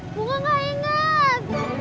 bunga gak inget